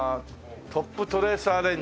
「トップトレーサー・レンジ」